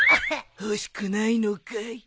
欲しくないのかい？